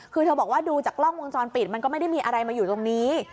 คือเธอบอกว่าดูจากกล้องวงจรปิดมันก็ไม่ได้มีอะไรมาอยู่ตรงนี้